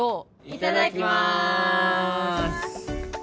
いただきます